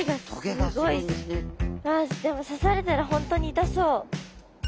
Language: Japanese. でも刺されたらホントに痛そう。